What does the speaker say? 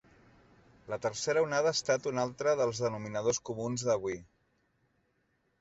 La tercera onada ha estat un altre dels denominadors comuns d’avui.